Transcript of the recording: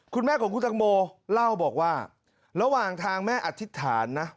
คุณแม่ของคุณตังโมเล่าบอกว่าระหว่างทางแม่อธิษฐานนะ